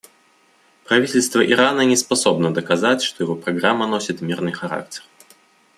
Правительство Ирана не способно доказать, что его программа носит мирный характер.